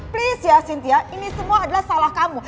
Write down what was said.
please ya cynthia ini semua adalah salah kamu